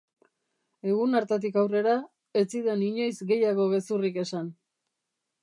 Egun hartatik aurrera, ez zidan inoiz gehiago gezurrik esan.